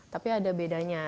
tapi ada bedanya